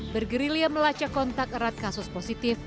bergerilya melacak kontak erat kasus positif